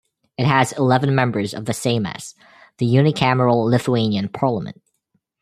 It has eleven members of the Seimas, the unicameral Lithuanian parliament.